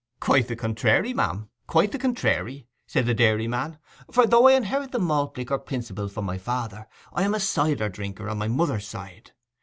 'Quite the contrairy, ma'am—quite the contrairy,' said the dairyman. 'For though I inherit the malt liquor principle from my father, I am a cider drinker on my mother's side.